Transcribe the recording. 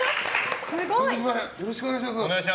よろしくお願いします。